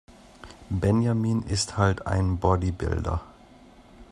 Benjamin ist halt ein Bodybuilder.